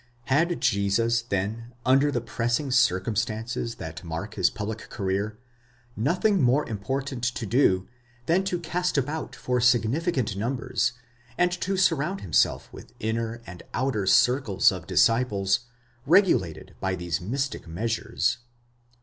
Had Jesus, then, under the pressing circumstances that mark his public career, nothing more important to do than to cast about for significant num bers, and to surround himself with inner and outer circles of disciples, regu lated by these mystic measures